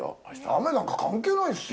雨なんか関係ないっすよ。